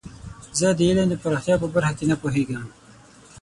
زه د علم د پراختیا په برخه کې نه پوهیږم.